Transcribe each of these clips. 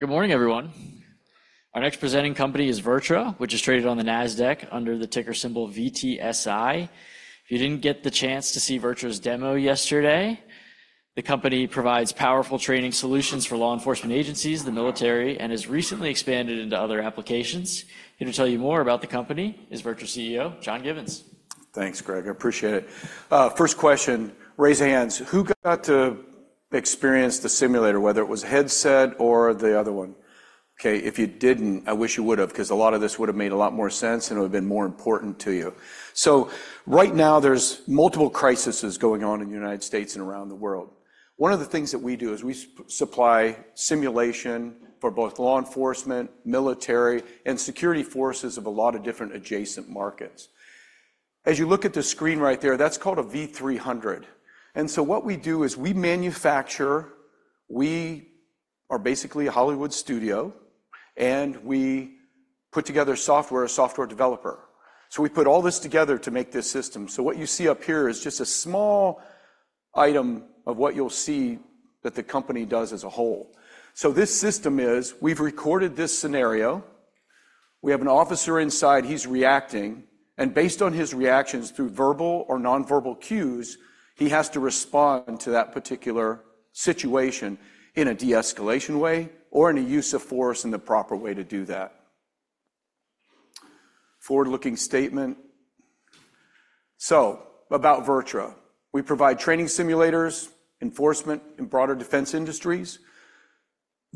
Good morning, everyone. Our next presenting company is VirTra, which is traded on the NASDAQ under the ticker symbol VTSI. If you didn't get the chance to see VirTra's demo yesterday, the company provides powerful training solutions for law enforcement agencies, the military, and has recently expanded into other applications. Here to tell you more about the company is VirTra CEO, John Givens. Thanks, Greg. I appreciate it. First question, raise your hands. Who got to experience the simulator, whether it was a headset or the other one? Okay, if you didn't, I wish you would have, 'cause a lot of this would have made a lot more sense, and it would have been more important to you. So right now, there's multiple crises going on in the United States and around the world. One of the things that we do is we supply simulation for both law enforcement, military, and security forces of a lot of different adjacent markets. As you look at the screen right there, that's called a V-300. And so what we do is we manufacture, we are basically a Hollywood studio, and we put together software, a software developer. So we put all this together to make this system. What you see up here is just a small item of what you'll see that the company does as a whole. This system is, we've recorded this scenario. We have an officer inside, he's reacting, and based on his reactions through verbal or non-verbal cues, he has to respond to that particular situation in a de-escalation way or in a use of force and the proper way to do that. Forward-looking statement. About VirTra. We provide training simulators for law enforcement and broader defense industries.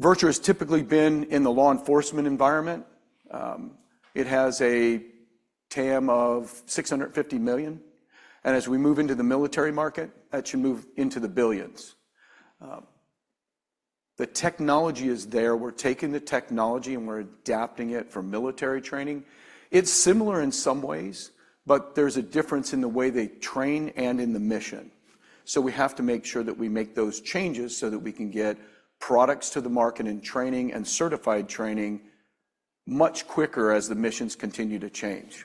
VirTra has typically been in the law enforcement environment. It has a TAM of $650 million, and as we move into the military market, that should move into the billions. The technology is there. We're taking the technology, and we're adapting it for military training. It's similar in some ways, but there's a difference in the way they train and in the mission. So we have to make sure that we make those changes so that we can get products to the market and training and certified training much quicker as the missions continue to change.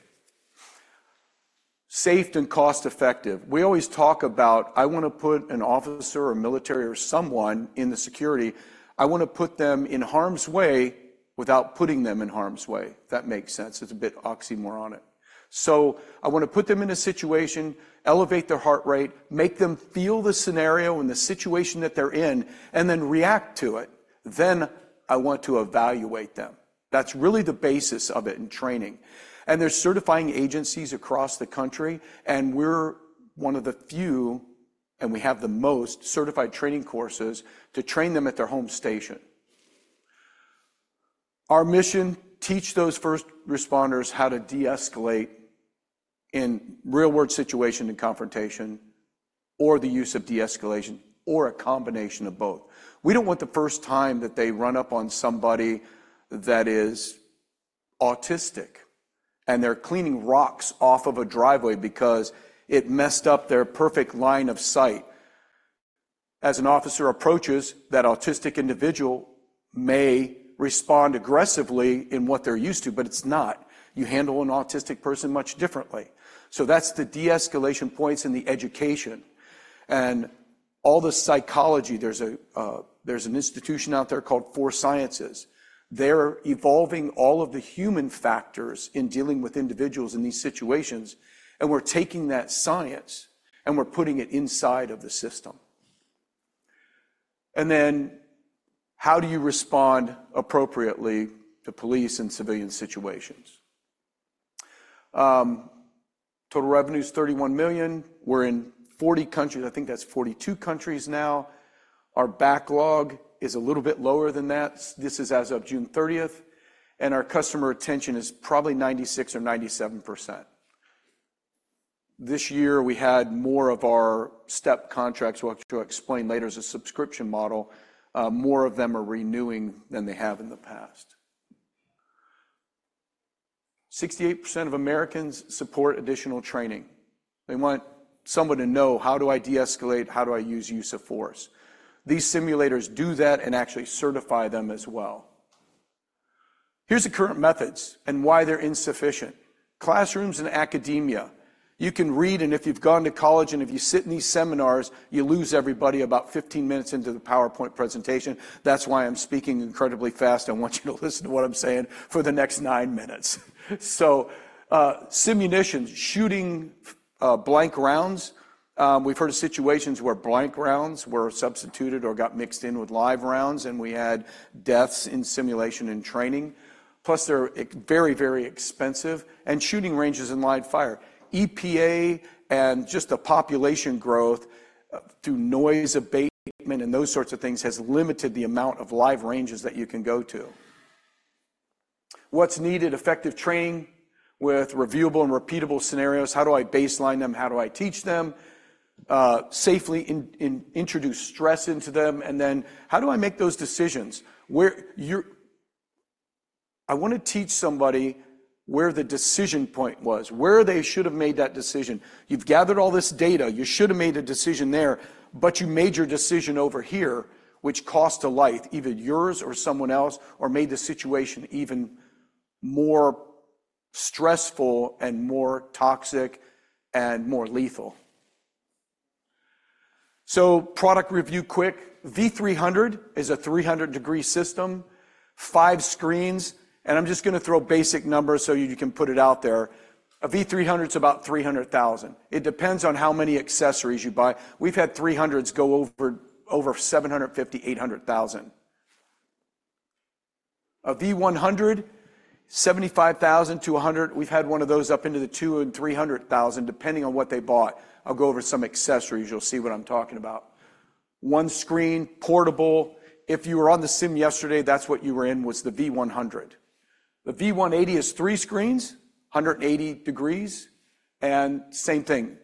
Safe and cost-effective. We always talk about, I wanna put an officer or military or someone in the security, I wanna put them in harm's way without putting them in harm's way. If that makes sense. It's a bit oxymoronic. So I wanna put them in a situation, elevate their heart rate, make them feel the scenario and the situation that they're in, and then react to it. Then, I want to evaluate them. That's really the basis of it in training. And there's certifying agencies across the country, and we're one of the few, and we have the most certified training courses to train them at their home station. Our mission, teach those first responders how to de-escalate in real-world situation and confrontation, or the use of de-escalation, or a combination of both. We don't want the first time that they run up on somebody that is autistic, and they're cleaning rocks off of a driveway because it messed up their perfect line of sight. As an officer approaches, that autistic individual may respond aggressively in what they're used to, but it's not. You handle an autistic person much differently. So that's the de-escalation points and the education and all the psychology. There's a, there's an institution out there called Force Science. They're evolving all of the human factors in dealing with individuals in these situations, and we're taking that science, and we're putting it inside of the system, and then how do you respond appropriately to police and civilian situations? Total revenue is $31 million. We're in 40 countries. I think that's 42 countries now. Our backlog is a little bit lower than that. This is as of June thirtieth, and our customer retention is probably 96% or 97%. This year, we had more of our STEP contracts, which I'll explain later, as a subscription model, more of them are renewing than they have in the past. 68% of Americans support additional training. They want someone to know, how do I de-escalate, how do I use of force? These simulators do that and actually certify them as well. Here's the current methods and why they're insufficient. Classrooms and academia, you can read, and if you've gone to college, and if you sit in these seminars, you lose everybody about fifteen minutes into the PowerPoint presentation. That's why I'm speaking incredibly fast. I want you to listen to what I'm saying for the next nine minutes. So, Simunition, shooting, blank rounds. We've heard of situations where blank rounds were substituted or got mixed in with live rounds, and we had deaths in simulation and training. Plus, they're very, very expensive, and shooting ranges in live fire. EPA and just the population growth through noise abatement and those sorts of things has limited the amount of live ranges that you can go to. What's needed? Effective training with reviewable and repeatable scenarios. How do I baseline them? How do I teach them safely in introduce stress into them? How do I make those decisions? I wanna teach somebody where the decision point was, where they should have made that decision. You've gathered all this data. You should have made a decision there, but you made your decision over here, which cost a life, either yours or someone else, or made the situation even more stressful and more toxic and more lethal. Product review quick. V-300 is a 300-degree system, five screens, and I'm just gonna throw basic numbers so you can put it out there. A V-300 is about $300,000. It depends on how many accessories you buy. We've had V-300s go over $750,000-$800,000. A V-100, $75,000-$100,000. We've had one of those up into the $200,000-$300,000, depending on what they bought. I'll go over some accessories. You'll see what I'm talking about. One screen, portable. If you were on the sim yesterday, that's what you were in, was the V-100. The V-180 is three screens, 180 degrees, and same thing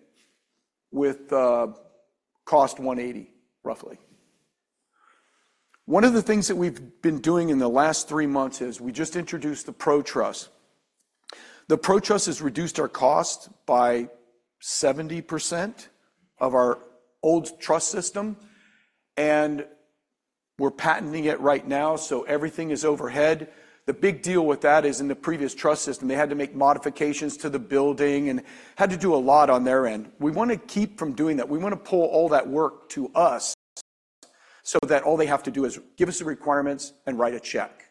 with cost $180,000, roughly. One of the things that we've been doing in the last three months is we just introduced the ProTruss. The ProTruss has reduced our cost by 70% of our old truss system, and we're patenting it right now, so everything is overhead. The big deal with that is in the previous truss system, they had to make modifications to the building and had to do a lot on their end. We want to keep from doing that. We want to pull all that work to us so that all they have to do is give us the requirements and write a check.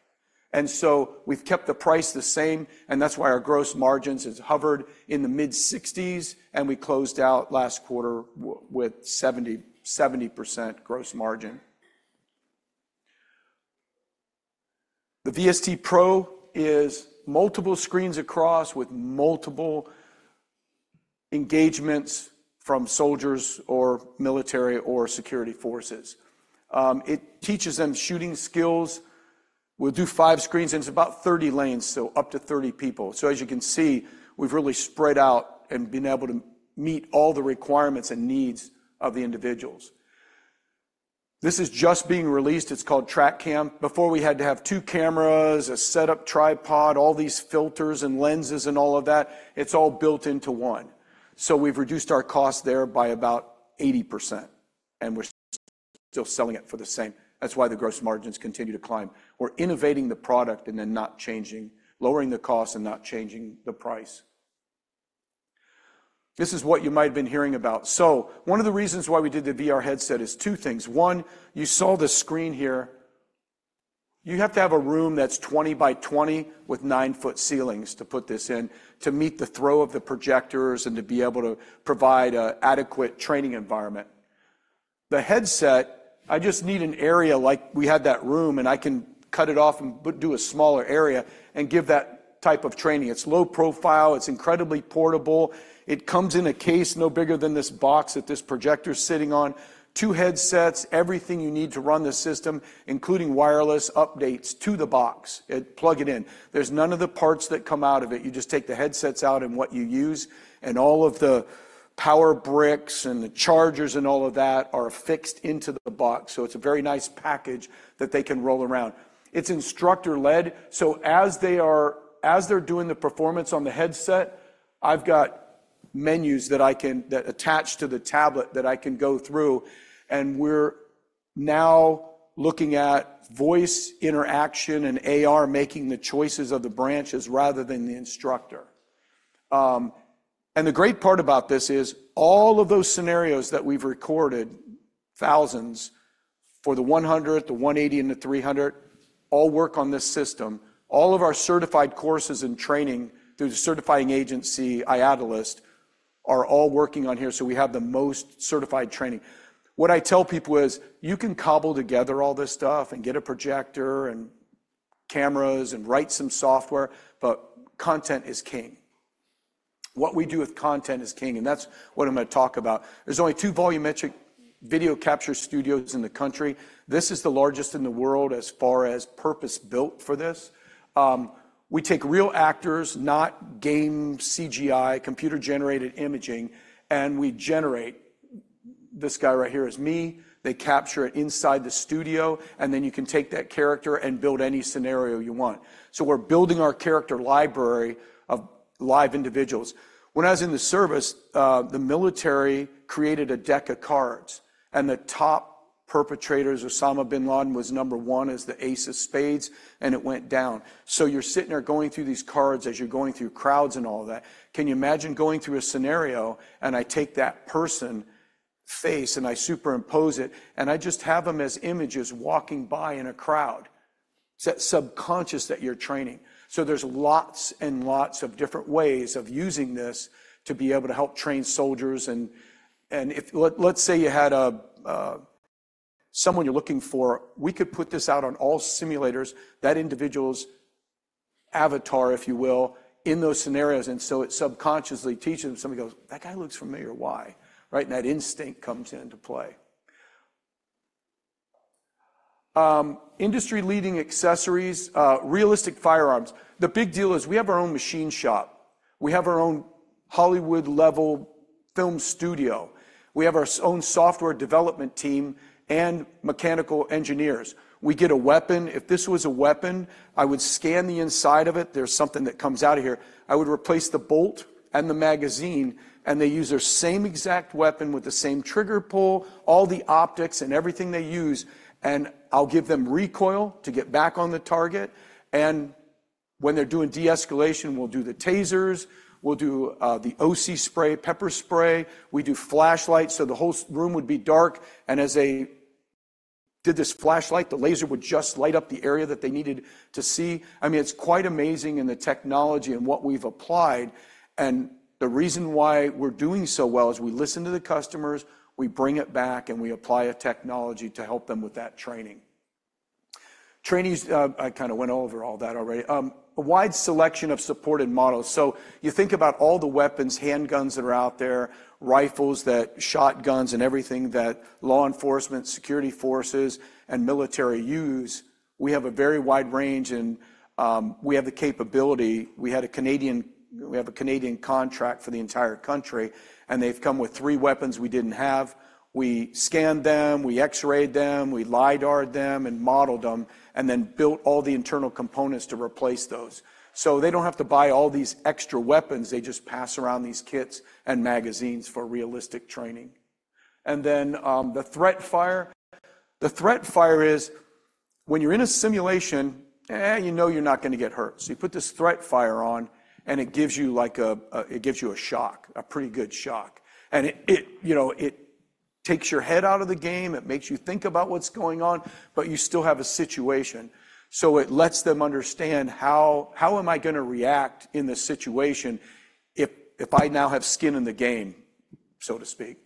And so we've kept the price the same, and that's why our gross margins has hovered in the mid-sixties, and we closed out last quarter with 70% gross margin. The V-ST PRO is multiple screens across with multiple engagements from soldiers or military or security forces. It teaches them shooting skills. We'll do five screens, and it's about 30 lanes, so up to 30 people. So as you can see, we've really spread out and been able to meet all the requirements and needs of the individuals. This is just being released, it's called TrackCam. Before, we had to have two cameras, a setup tripod, all these filters and lenses and all of that. It's all built into one. So we've reduced our cost there by about 80%, and we're still selling it for the same. That's why the gross margins continue to climb. We're innovating the product and then not changing, lowering the cost and not changing the price. This is what you might have been hearing about. So one of the reasons why we did the VR headset is two things. One, you saw the screen here. You have to have a room that's 20 by 20 with nine-foot ceilings to put this in, to meet the throw of the projectors and to be able to provide an adequate training environment. The headset, I just need an area like we had that room, and I can cut it off and do a smaller area and give that type of training. It's low profile, it's incredibly portable. It comes in a case no bigger than this box that this projector is sitting on. Two headsets, everything you need to run the system, including wireless updates to the box, it, plug it in. There's none of the parts that come out of it. You just take the headsets out and what you use, and all of the power bricks and the chargers and all of that are fixed into the box, so it's a very nice package that they can roll around. It's instructor-led, so as they're doing the performance on the headset, I've got menus that attach to the tablet that I can go through, and we're now looking at voice interaction and AR making the choices of the branches rather than the instructor. And the great part about this is all of those scenarios that we've recorded, thousands, for the one hundred, the one eighty, and the three hundred, all work on this system. All of our certified courses and training through the certifying agency, IADLEST, are all working on here, so we have the most certified training. What I tell people is, "You can cobble together all this stuff and get a projector and cameras and write some software, but content is king." What we do with content is king, and that's what I'm gonna talk about. There's only two volumetric video capture studios in the country. This is the largest in the world as far as purpose-built for this. We take real actors, not game CGI, computer-generated imagery, and we generate. This guy right here is me. They capture it inside the studio, and then you can take that character and build any scenario you want. So we're building our character library of live individuals. When I was in the service, the military created a deck of cards, and the top perpetrators, Osama bin Laden, was number one as the ace of spades, and it went down. So you're sitting there going through these cards as you're going through crowds and all that. Can you imagine going through a scenario, and I take that person's face and I superimpose it, and I just have them as images walking by in a crowd? It's that subconscious that you're training. So there's lots and lots of different ways of using this to be able to help train soldiers and if. Let's say you had a someone you're looking for, we could put this out on all simulators, that individual's avatar, if you will, in those scenarios, and so it subconsciously teaches them. Somebody goes, "That guy looks familiar. Why?" Right? And that instinct comes into play. Industry-leading accessories, realistic firearms. The big deal is we have our own machine shop. We have our own Hollywood-level film studio. We have our own software development team and mechanical engineers. We get a weapon. If this was a weapon, I would scan the inside of it. There's something that comes out of here. I would replace the bolt and the magazine, and they use their same exact weapon with the same trigger pull, all the optics and everything they use, and I'll give them recoil to get back on the target when they're doing de-escalation, we'll do the tasers, we'll do the OC spray, pepper spray. We do flashlights, so the whole room would be dark, and as they did this flashlight, the laser would just light up the area that they needed to see. I mean, it's quite amazing in the technology and what we've applied, and the reason why we're doing so well is we listen to the customers, we bring it back, and we apply a technology to help them with that training. Trainees, I kinda went over all that already. A wide selection of supported models. So you think about all the weapons, handguns that are out there, rifles, that shotguns, and everything that law enforcement, security forces, and military use, we have a very wide range, and we have the capability. We had a Canadian-- We have a Canadian contract for the entire country, and they've come with three weapons we didn't have. We scanned them, we X-rayed them, we LiDAR them and modeled them, and then built all the internal components to replace those. So they don't have to buy all these extra weapons. They just pass around these kits and magazines for realistic training. And then the Threat-Fire. The Threat-Fire is when you're in a simulation, eh, you know you're not gonna get hurt, so you put this Threat-Fire on, and it gives you like a shock, a pretty good shock. And it, you know, it takes your head out of the game. It makes you think about what's going on, but you still have a situation. So it lets them understand how am I gonna react in this situation if I now have skin in the game, so to speak?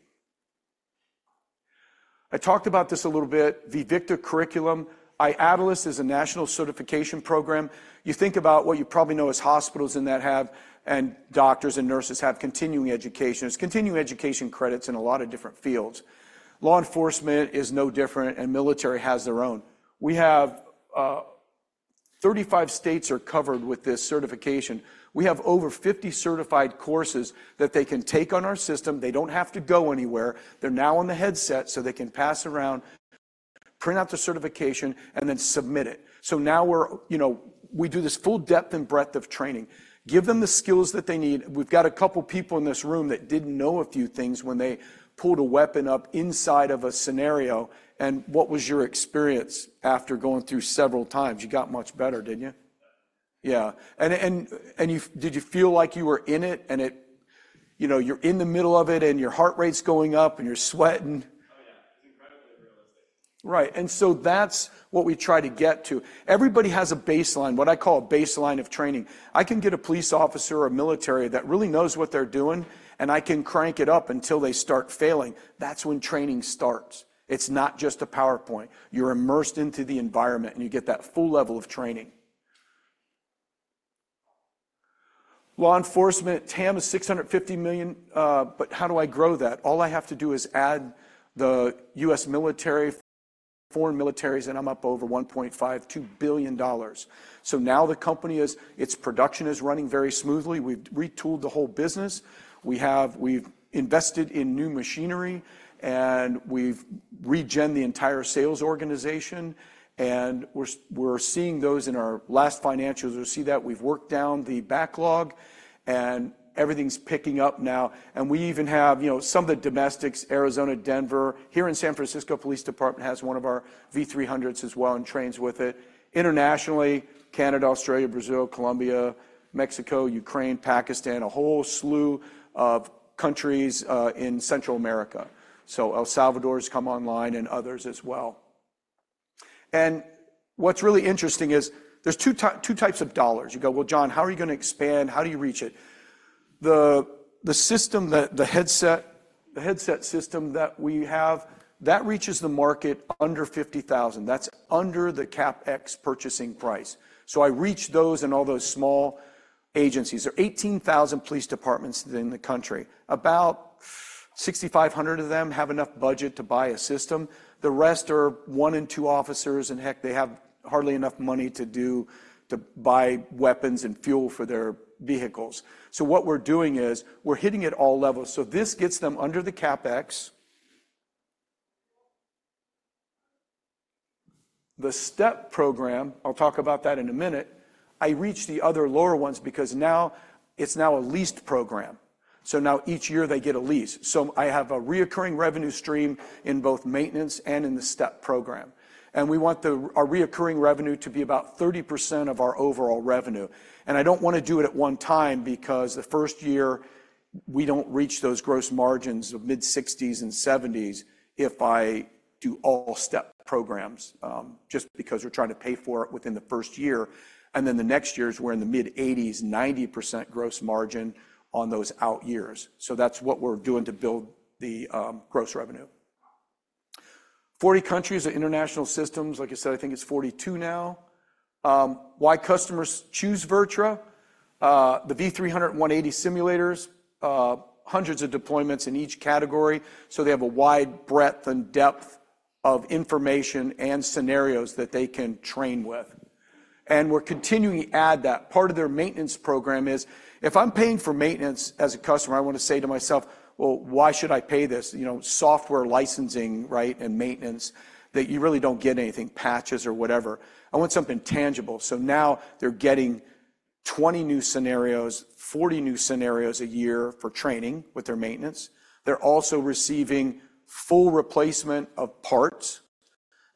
I talked about this a little bit, the V-VICTA Curriculum. IADLEST is a national certification program. You think about what you probably know as hospitals and that have, and doctors and nurses have continuing education. It's continuing education credits in a lot of different fields. Law enforcement is no different, and military has their own. We have 35 states are covered with this certification. We have over 50 certified courses that they can take on our system. They don't have to go anywhere. They're now on the headset, so they can pass around, print out the certification, and then submit it, so now we're, you know, we do this full depth and breadth of training, give them the skills that they need. We've got a couple people in this room that didn't know a few things when they pulled a weapon up inside of a scenario, and what was your experience after going through several times? You got much better, didn't you? Yeah, did you feel like you were in it, and it, you know, you're in the middle of it, and your heart rate's going up, and you're sweating? Right, and so that's what we try to get to. Everybody has a baseline, what I call a baseline of training. I can get a police officer or military that really knows what they're doing, and I can crank it up until they start failing. That's when training starts. It's not just a PowerPoint. You're immersed into the environment, and you get that full level of training. Law enforcement TAM is $650 million, but how do I grow that? All I have to do is add the U.S. military, foreign militaries, and I'm up over $1.5 billion-$2 billion. So now the company is... its production is running very smoothly. We've retooled the whole business. We have invested in new machinery, and we've regenerated the entire sales organization, and we're seeing those in our last financials. You'll see that we've worked down the backlog, and everything's picking up now, and we even have, you know, some of the domestics, Arizona, Denver. Here in San Francisco Police Department has one of our V-300s as well, and trains with it. Internationally, Canada, Australia, Brazil, Colombia, Mexico, Ukraine, Pakistan, a whole slew of countries in Central America. So El Salvador's come online and others as well. And what's really interesting is there's two types of dollars. You go, "Well, John, how are you gonna expand? How do you reach it?" The system that the headset, the headset system that we have, that reaches the market under 50,000. That's under the CapEx purchasing price. So I reach those and all those small agencies. There are 18,000 police departments in the country. About 6,500 of them have enough budget to buy a system. The rest are one and two officers, and heck, they have hardly enough money to do, to buy weapons and fuel for their vehicles. So what we're doing is we're hitting at all levels, so this gets them under the CapEx. The STEP program, I'll talk about that in a minute. I reach the other lower ones because now it's a leased program, so now each year they get a lease. So I have a recurring revenue stream in both maintenance and in the STEP program. We want our recurring revenue to be about 30% of our overall revenue, and I don't wanna do it at one time because the first year, we don't reach those gross margins of mid-60s and 70s% if I do all STEP programs, just because we're trying to pay for it within the first year, and then the next years, we're in the mid-80s, 90% gross margin on those out years. So that's what we're doing to build gross revenue. 40 countries of international systems, like I said, I think it's 42 now. Why customers choose VirTra? The V-300 and V-180 simulators, hundreds of deployments in each category, so they have a wide breadth and depth of information and scenarios that they can train with. We're continuing to add that. Part of their maintenance program is, if I'm paying for maintenance as a customer, I want to say to myself, "Well, why should I pay this?" You know, software licensing, right, and maintenance, that you really don't get anything, patches or whatever. I want something tangible. So now they're getting twenty new scenarios, forty new scenarios a year for training with their maintenance. They're also receiving full replacement of parts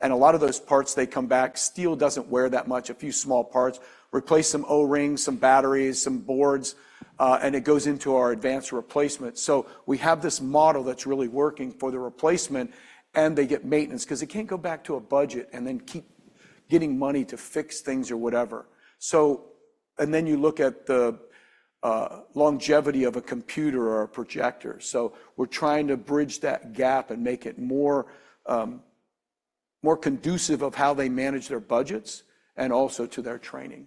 and a lot of those parts, they come back. Steel doesn't wear that much, a few small parts. Replace some O-rings, some batteries, some boards, and it goes into our advanced replacement. So we have this model that's really working for the replacement, and they get maintenance 'cause they can't go back to a budget and then keep getting money to fix things or whatever. So, and then you look at the longevity of a computer or a projector. We're trying to bridge that gap and make it more conducive of how they manage their budgets and also to their training.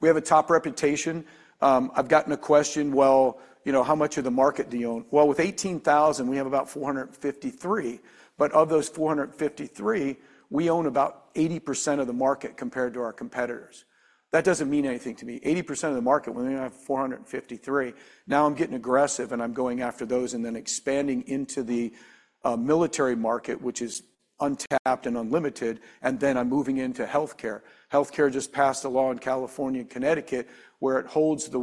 We have a top reputation. I've gotten a question: Well, you know, how much of the market do you own? Well, with 18,000, we have about 453, but of those 453, we own about 80% of the market compared to our competitors. That doesn't mean anything to me. 80% of the market, when we only have 453. Now I'm getting aggressive, and I'm going after those and then expanding into the military market, which is untapped and unlimited, and then I'm moving into healthcare. Healthcare just passed a law in California and Connecticut, where it holds the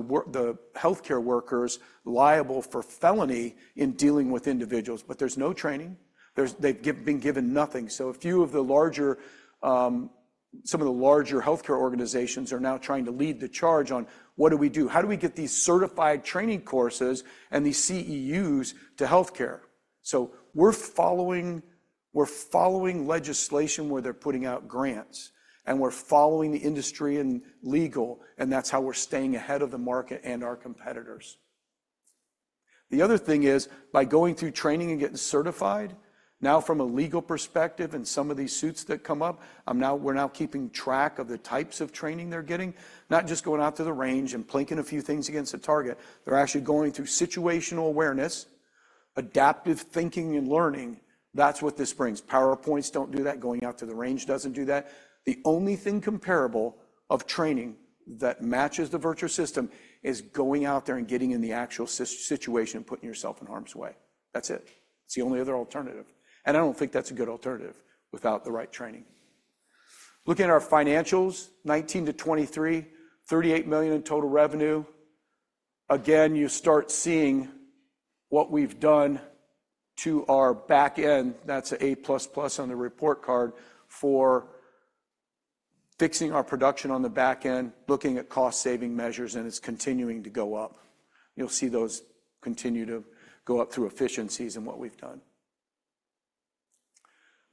healthcare workers liable for felony in dealing with individuals, but there's no training. They've been given nothing, so a few of the larger healthcare organizations are now trying to lead the charge on what do we do? How do we get these certified training courses and these CEUs to healthcare, so we're following legislation where they're putting out grants, and we're following the industry and legal, and that's how we're staying ahead of the market and our competitors. The other thing is, by going through training and getting certified, now from a legal perspective and some of these suits that come up, now we're keeping track of the types of training they're getting, not just going out to the range and plinking a few things against a target. They're actually going through situational awareness, adaptive thinking and learning. That's what this brings. PowerPoints don't do that. Going out to the range doesn't do that. The only thing comparable of training that matches the VirTra system is going out there and getting in the actual situation and putting yourself in harm's way. That's it. It's the only other alternative, and I don't think that's a good alternative without the right training. Looking at our financials, 2019 to 2023, $38 million in total revenue. Again, you start seeing what we've done to our back end. That's an A plus plus on the report card for fixing our production on the back end, looking at cost-saving measures, and it's continuing to go up. You'll see those continue to go up through efficiencies in what we've done.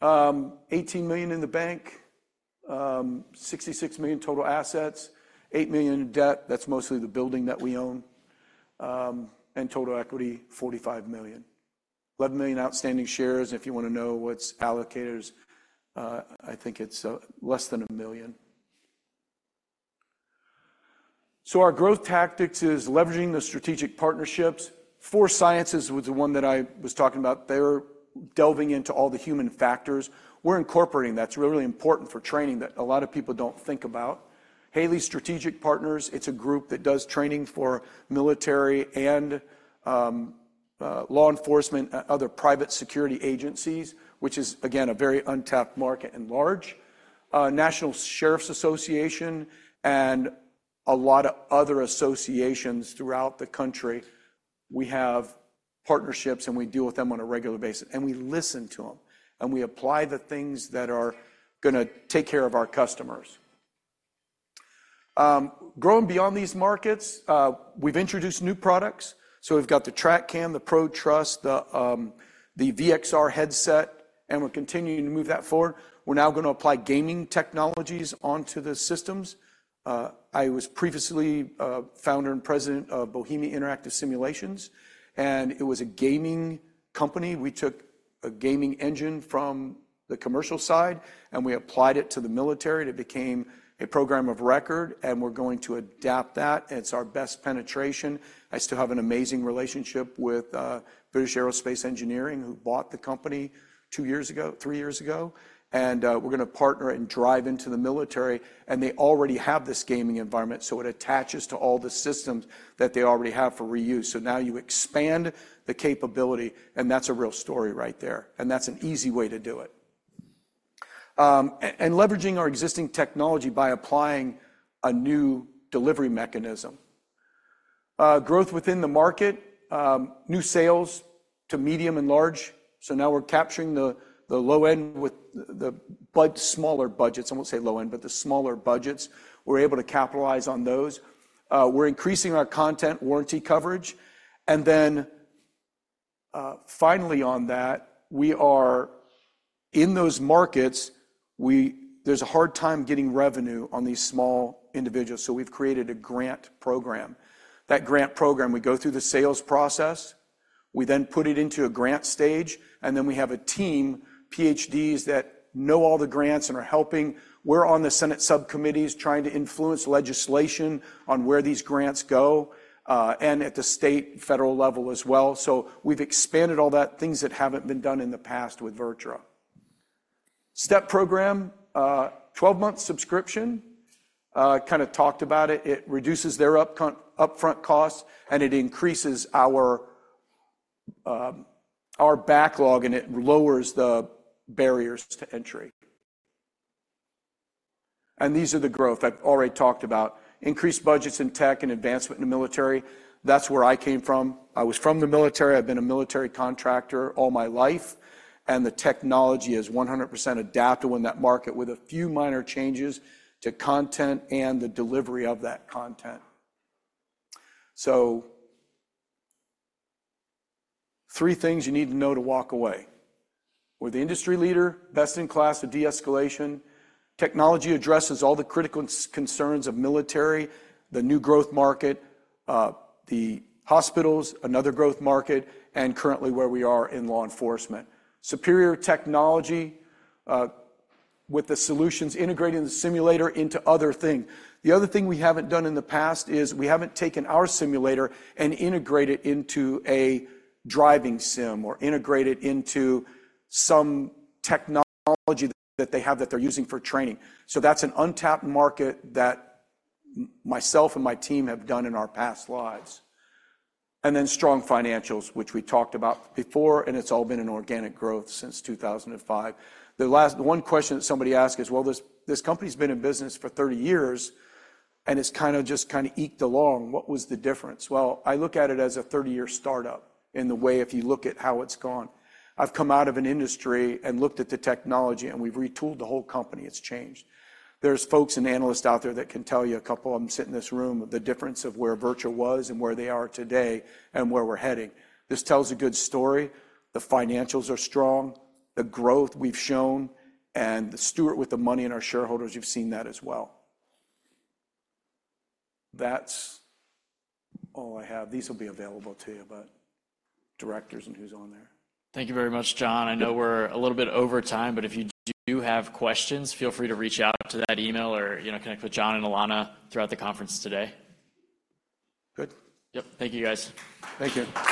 $18 million in the bank, $66 million total assets, $8 million in debt, that's mostly the building that we own, and total equity, $45 million. 11 million outstanding shares, and if you want to know what's allocators, I think it's, less than 1 million. So our growth tactics is leveraging the strategic partnerships. Force Science Institute was the one that I was talking about. They're delving into all the human factors. We're incorporating that. It's really important for training that a lot of people don't think about. Haley Strategic Partners, it's a group that does training for military and law enforcement and other private security agencies, which is, again, a very untapped market and large. National Sheriffs' Association and a lot of other associations throughout the country, we have partnerships, and we deal with them on a regular basis, and we listen to them, and we apply the things that are gonna take care of our customers. Growing beyond these markets, we've introduced new products, so we've got the TrackCam, the ProTruss, the V-XR headset, and we're continuing to move that forward. We're now gonna apply gaming technologies onto the systems. I was previously founder and president of Bohemia Interactive Simulations, and it was a gaming company. We took a gaming engine from the commercial side, and we applied it to the military, and it became a program of record, and we're going to adapt that, and it's our best penetration. I still have an amazing relationship with British Aerospace Engineering, who bought the company two years ago, three years ago, and we're gonna partner it and drive into the military, and they already have this gaming environment, so it attaches to all the systems that they already have for reuse. So now you expand the capability, and that's a real story right there, and that's an easy way to do it, and leveraging our existing technology by applying a new delivery mechanism. Growth within the market, new sales to medium and large, so now we're capturing the low end with smaller budgets. I won't say low end, but the smaller budgets, we're able to capitalize on those. We're increasing our content warranty coverage, and then, finally on that, we are in those markets, there's a hard time getting revenue on these small individuals, so we've created a grant program. That grant program, we go through the sales process, we then put it into a grant stage, and then we have a team, PhDs, that know all the grants and are helping. We're on the Senate subcommittees trying to influence legislation on where these grants go, and at the state and federal level as well, so we've expanded all that, things that haven't been done in the past with VirTra. STEP program, twelve-month subscription, kind of talked about it. It reduces their upfront costs, and it increases our backlog, and it lowers the barriers to entry. These are the growth I've already talked about. Increased budgets in tech and advancement in the military, that's where I came from. I was from the military. I've been a military contractor all my life, and the technology is 100% adaptable in that market, with a few minor changes to content and the delivery of that content. So, three things you need to know to walk away. We're the industry leader, best in class of de-escalation. Technology addresses all the critical concerns of military, the new growth market, the hospitals, another growth market, and currently where we are in law enforcement. Superior technology, with the solutions integrating the simulator into other things. The other thing we haven't done in the past is we haven't taken our simulator and integrated it into a driving sim or integrated into some technology that they have that they're using for training. So that's an untapped market that myself and my team have done in our past lives. And then strong financials, which we talked about before, and it's all been in organic growth since 2005. The one question that somebody asked is, "Well, this company's been in business for thirty years, and it's kinda just eked along. What was the difference?" well, I look at it as a thirty-year startup in the way if you look at how it's gone. I've come out of an industry and looked at the technology, and we've retooled the whole company. It's changed. There's folks and analysts out there that can tell you, a couple of them sit in this room, of the difference of where VirTra was and where they are today and where we're heading. This tells a good story. The financials are strong, the growth we've shown, and Stewart, with the money and our shareholders, you've seen that as well. That's all I have. These will be available to you, about directors and who's on there. Thank you very much, John. I know we're a little bit over time, but if you do have questions, feel free to reach out to that email or, you know, connect with John and Alana throughout the conference today. Good. Yep. Thank you, guys. Thank you.